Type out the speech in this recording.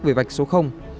về vạch số